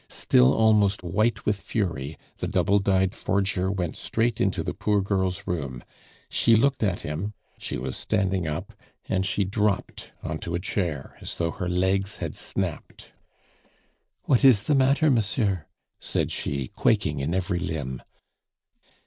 Still almost white with fury, the double dyed forger went straight into the poor girl's room; she looked at him she was standing up and she dropped on to a chair as though her legs had snapped. "What is the matter, monsieur?" said she, quaking in every limb.